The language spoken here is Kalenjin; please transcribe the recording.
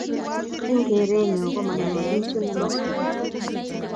Eng kerenyuu ko manyolu chu nemotiny